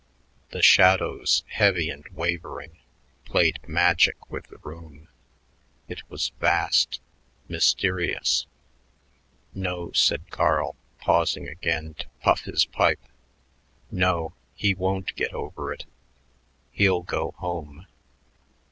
The shadows, heavy and wavering, played magic with the room; it was vast, mysterious. "No," said Carl, pausing again to puff his pipe; "no, he won't get over it. He'll go home."